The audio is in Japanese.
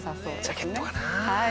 ジャケットかな。